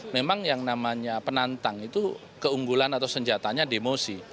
memang yang namanya penantang itu keunggulan atau senjatanya demosi